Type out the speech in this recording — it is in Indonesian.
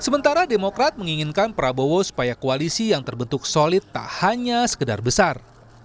sementara demokrat menginginkan prabowo supaya koalisi yang terbentuk solid tak hanya sekedar besar